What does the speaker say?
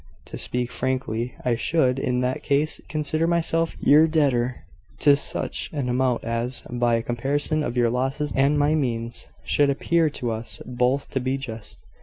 To speak frankly, I should, in that case, consider myself your debtor to such an amount as, by a comparison of your losses and my means, should appear to us both to be just.